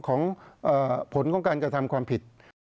ของผลของการกระทำความผิด